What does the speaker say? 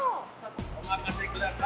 お任せください。